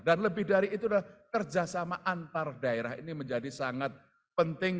dan lebih dari itu adalah kerjasama antar daerah ini menjadi sangat penting